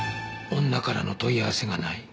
女からの問い合わせがない。